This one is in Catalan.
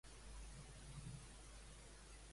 Em pots repetir les cinc cançons anteriors?